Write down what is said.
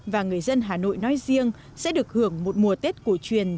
và người dân hà nội nói riêng sẽ được hưởng một mùa tết cổ truyền